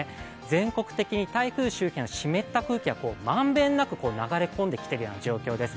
全国的に台風周辺の湿った空気が、満遍なく流れ込んできているような状況です。